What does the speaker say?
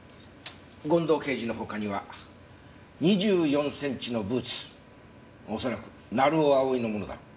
権藤刑事の他には２４センチのブーツ恐らく成尾蒼のものだろう。